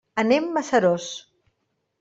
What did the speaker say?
Anem a Seròs.